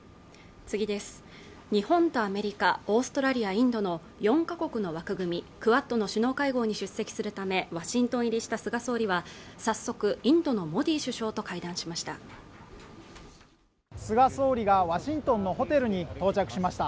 日本とアメリカ、オーストラリアインドの４ヶ国の枠組みクアッドの首脳会合に出席するため、ワシントン入りした菅総理は早速、インドのモディ首相と会談しました菅総理がワシントンのホテルに到着しました。